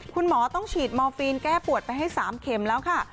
คุณหมอต้องฉีดมอร์ฟีนแก้ปวดไปให้๓เข็มแล้วค่ะ